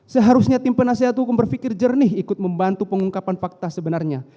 seharusnya tim penasehat hukum berpikir jernih ikut membantu pengungkapan fakta sebenarnya